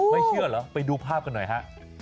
ไม่เชื่อเหรอไปดูภาพกันหน่อยฮะ